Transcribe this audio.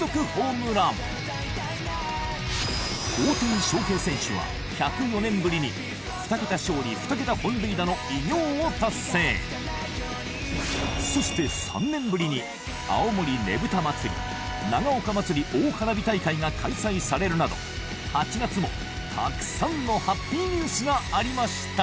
大谷翔平選手はそして３年ぶりに青森ねぶた祭長岡まつり大花火大会が開催されるなど８月もたくさんのハッピーニュースがありました。